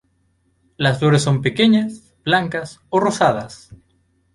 Las flores son pequeñas, blancas o rosadas.